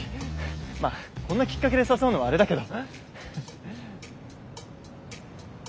まあこんなきっかけで誘うのはあれだけど。